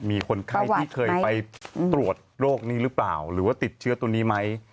มีคนไข้ที่เคยไปตรวจโรคนี้หรือเปล่าหรือว่าติดเชื้อตัวนี้ไหม